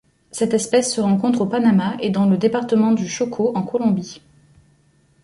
Cette espèce se rencontre au Panama et dans le département du Chocó en Colombie.